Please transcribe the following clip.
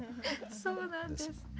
そうなんです。